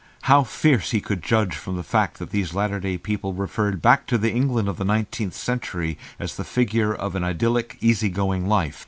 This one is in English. How fierce he could judge from the fact that these latter day people referred back to the England of the nineteenth century as the figure of an idyllic easy going life.